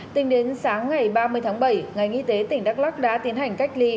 tính đến sáng ngày ba mươi tháng bảy ngành y tế tỉnh đắk lắc đã tiến hành cách ly